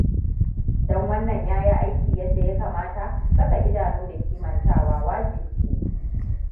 Don wannan yayi aiki yadda yakamata, saka idanu da kimantawa wajibi ne.